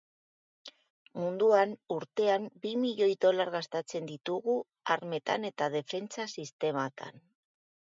Munduan urtean bi bilioi dolar gastatzen ditugu armetan eta defentsa sistematan.